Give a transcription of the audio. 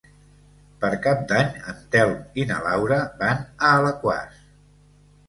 Per Cap d'Any en Telm i na Laura van a Alaquàs.